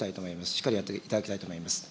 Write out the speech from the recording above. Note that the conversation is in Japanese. しっかりやっていただきたいと思います。